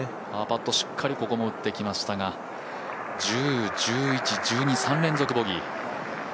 パーパット、しっかりここも打ってきましたが１０、１１、１２、３連続ボギー。